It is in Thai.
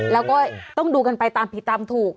แล้วก็ต้องดูกันไปตามผิดตามถูก